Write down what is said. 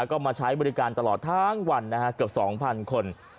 ก็มาใช้บริการตลอดทั้งวันนะฮะเกือบ๒๐๐คน